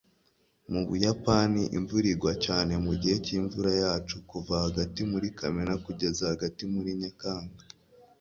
mu buyapani, imvura igwa cyane mugihe cyimvura yacu kuva hagati muri kamena kugeza hagati muri nyakanga